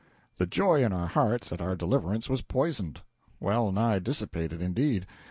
The joy in our hearts at our deliverance was poisoned; well nigh dissipated, indeed.